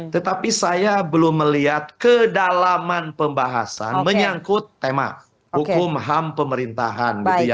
tetapi saya belum melihat kedalaman pembahasan menyangkut tema hukum ham pemerintahan